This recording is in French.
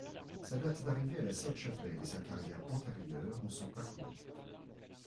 Sa date d'arrivée à la Sainte-Chapelle et sa carrière antérieure ne sont pas connus.